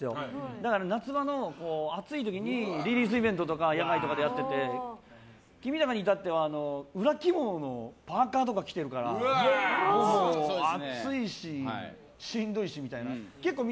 だから夏場の暑い時にリリースイベントとか野外とかでやっててＫＩＭＩに至っては裏起毛のパーカとか着ているから暑いし、しんどいしみたいな。